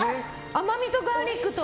甘みとガーリックと。